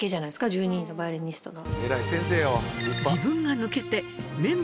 １２人のヴァイオリニストの。